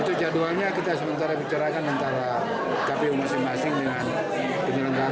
itu jadwalnya kita sementara bicarakan antara kpu masing masing dengan penyelenggara